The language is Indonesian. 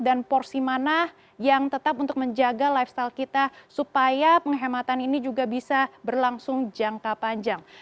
dan porsi mana yang tetap untuk menjaga lifestyle kita supaya penghematan ini juga bisa berlangsung jangka panjang